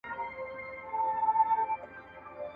• بلا له خپلي لمني پورته کېږي.